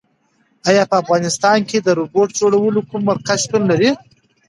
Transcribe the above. ایا په افغانستان کې د روبوټ جوړولو کوم مرکز شتون لري؟